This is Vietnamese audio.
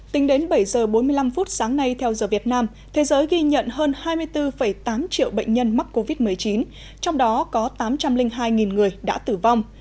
tính đến bảy giờ bốn mươi năm phút sáng nay theo giờ việt nam thế giới ghi nhận hơn hai mươi bốn tám triệu bệnh nhân mắc covid một mươi chín trong đó có tám trăm linh hai người đã tử vong